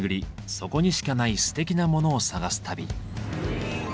そこにしかないすてきなモノを探す旅。